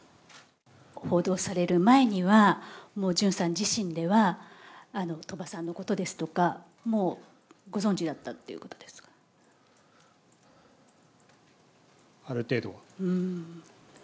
報道される前には、もうジュンさん自身では、鳥羽さんのことですとか、もうご存じだある程度は。